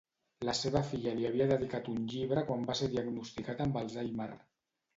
La seva filla li havia dedicat un llibre quan va ser diagnosticat amb Alzheimer.